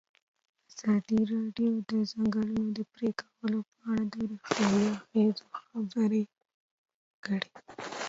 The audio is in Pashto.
ازادي راډیو د د ځنګلونو پرېکول په اړه د روغتیایي اغېزو خبره کړې.